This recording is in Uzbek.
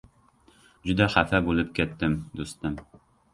— Juda xafa bo‘lib ketdim, do‘stim.